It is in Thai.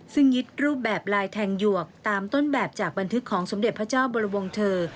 ซึ่งยึดรูปแบบลายแทงหยวกตามต้นแบบจากบันทึกของสมเด็จพระเจ้าบรวงเธอ